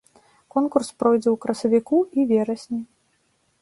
Конкурс пройдзе ў красавіку і верасні.